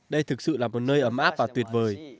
đây thực sự là một nơi ấm áp và tuyệt vời